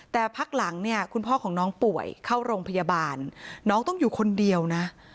แต่พักหลังเนี่ยคุณพ่อของน้องป่วยเข้าโรงพยาบาลน้องต้องอยู่คนเดียวนะ